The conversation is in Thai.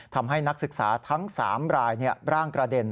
นักศึกษาทั้ง๓รายร่างกระเด็น